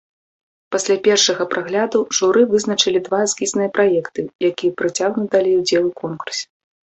Пасля першага прагляду журы вызначыла два эскізныя праекты, якія працягнуць далей удзел у конкурсе.